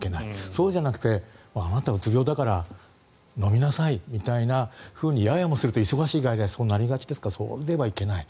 そうじゃなくてあなた、うつ病だから飲みなさいみたいなふうにややもすると忙しい外来はそうもなりがちですがそれではいけない。